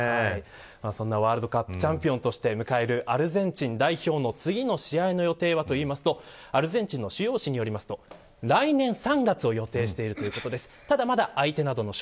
そんなワールドカップチャンピオンとして迎えるアルゼンチン代表の次の試合の予定はというとアルゼンチンの主要紙によりますと来年３月を予定しているということです。